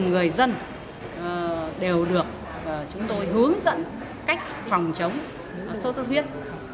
người dân đều được chúng tôi hướng dẫn cách phòng chống sốt xuất huyết